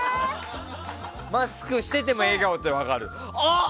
マスクしてても笑顔って分かる。